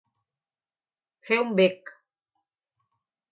Fer un bec.